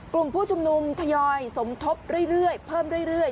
กลุ่มผู้ชุมนุมทยอยสมทบเรื่อยเพิ่มเรื่อย